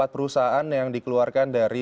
lima puluh empat perusahaan yang dikeluarkan dari